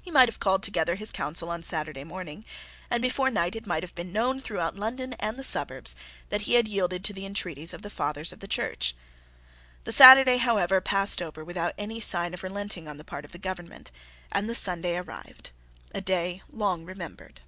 He might have called together his Council on Saturday morning, and before night it might have been known throughout London and the suburbs that he had yielded to the intreaties of the fathers of the Church. The Saturday, however, passed over without any sign of relenting on the part of the government, and the Sunday arrived, a day long remembered.